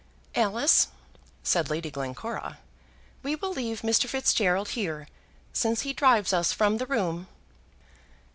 "Alice," said Lady Glencora, "we will leave Mr. Fitzgerald here, since he drives us from the room."